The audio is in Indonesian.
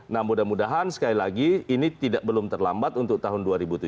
nah mudah mudahan sekali lagi ini belum terlambat untuk tahun dua ribu tujuh belas